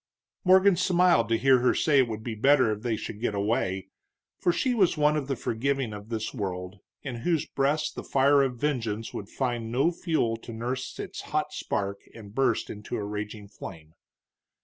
Morgan smiled to hear her say it would be better if they should get away, for she was one of the forgiving of this world, in whose breast the fire of vengeance would find no fuel to nurse its hot spark and burst into raging flame.